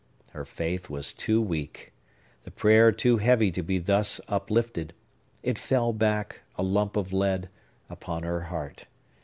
Her faith was too weak; the prayer too heavy to be thus uplifted. It fell back, a lump of lead, upon her heart.